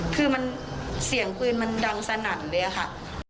คือเสียงปืนมันดังสนั่นเลยค่ะ